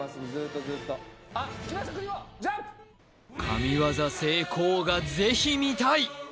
神業成功がぜひ見たい！